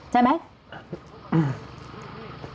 ใช่ไหม